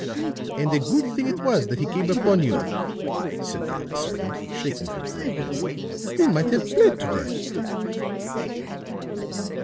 "And a good thing it was that he came upon you," said the old servant, shaking her gray head. "You might have bled to death."